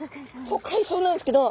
そう海藻なんですけど。